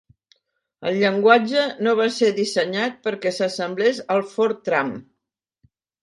El llenguatge no va ser dissenyat perquè s'assemblés al Fortran.